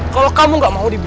cepat atau lambat